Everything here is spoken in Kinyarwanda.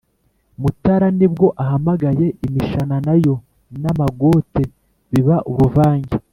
Mutara ni bwo ahamagaye imishanana Yo n'amagote biba uruvange,